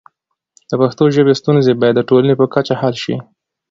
د پښتو ژبې ستونزې باید د ټولنې په کچه حل شي.